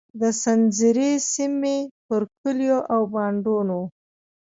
د سنځري سیمې پر کلیو او بانډونو.